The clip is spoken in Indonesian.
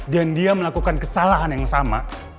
dan dia melakukan kesalahan yang sama